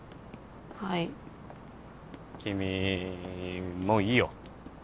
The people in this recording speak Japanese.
はい君もういいよ